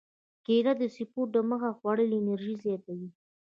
کېله د سپورت دمخه خوړل انرژي زیاتوي.